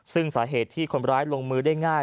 ซึ่งสาเหตุที่คนร้ายลงมือได้ง่าย